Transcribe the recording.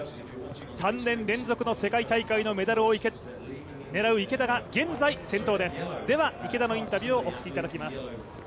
３年連続の世界大会のメダルを狙う池田が現在先頭です、では池田のインタビューをお聞きいただきます。